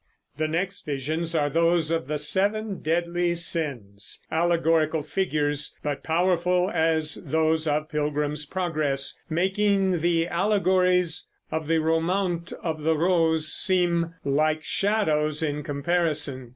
The next visions are those of the Seven Deadly Sins, allegorical figures, but powerful as those of Pilgrim's Progress, making the allegories of the Romaunt of the Rose seem like shadows in comparison.